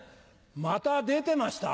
また出てました？